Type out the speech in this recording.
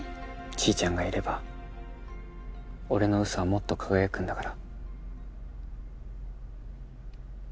ちーちゃんがいれば俺のウソはもっと輝くんだから。